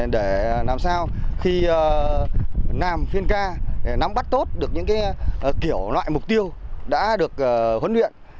để làm sao khi làm phiên ca nắm bắt tốt được những kiểu loại mục tiêu đã được huấn luyện